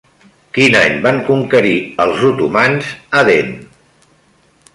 Quin any van conquerir els otomans Aden?